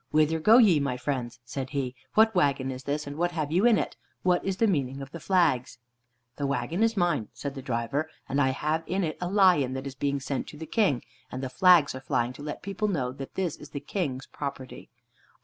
"Whither go ye, my friends?" said he. "What wagon is this, and what have you in it? What is the meaning of the flags?" "The wagon is mine," said the driver, "and I have in it a lion that is being sent to the King, and the flags are flying to let the people know that it is the King's property."